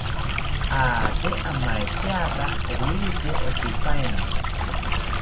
Aate amaetyaka owite oshipaeni